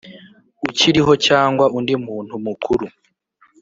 ukiriho cyangwa undi muntu mukuru